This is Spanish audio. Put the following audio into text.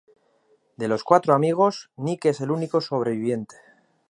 De los cuatro amigos, Nick es el único sobreviviente.